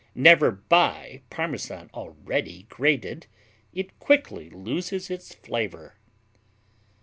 Never buy Parmesan already grated; it quickly loses its flavor.